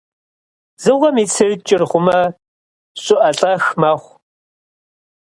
Дзыгъуэм и цыр кӀыр хъумэ, щӀыӀэлӀэх мэхъу.